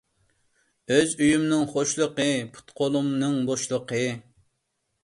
ئۆز ئۆيۈمنىڭ خۇشلىقى، پۇت قۇلۇمنىڭ بوشلىقى.